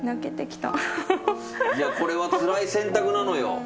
これはつらい選択なのよ。